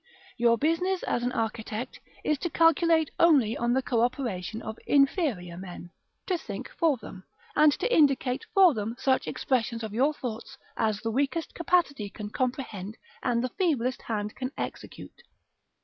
Your business as an architect, is to calculate only on the co operation of inferior men, to think for them, and to indicate for them such expressions of your thoughts as the weakest capacity can comprehend and the feeblest hand can execute.